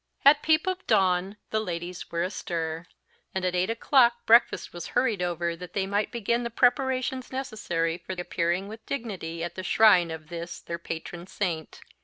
At peep of dawn the ladies were astir, and at eight o'clock breakfast was hurried over that they might begin the preparations necessary for appearing with dignity at the shrine of this their patron saint.